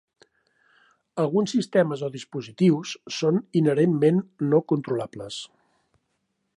Alguns sistemes o dispositius són inherentment no controlables.